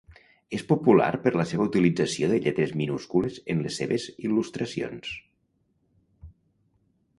És popular per la seva utilització de lletres minúscules en les seves il·lustracions.